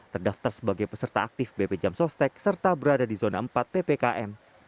terdaftar sebagai peserta aktif bp jam sostek serta berada di zona empat ppkm